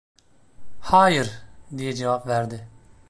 "Hayır!" diye cevap verdi.